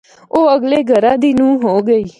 او اگلے گہرے دی نونھ ہو گئی۔